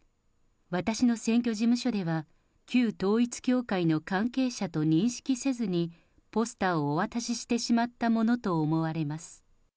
私の選挙事務所では、旧統一教会の関係者と認識せずに、ポスターをお渡ししてしまったものと思われます。